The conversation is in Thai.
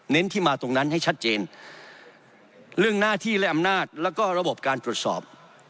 ที่มาตรงนั้นให้ชัดเจนเรื่องหน้าที่และอำนาจแล้วก็ระบบการตรวจสอบ